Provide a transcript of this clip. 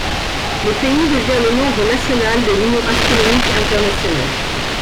Le pays devient le membre national de l'Union astronomique internationale.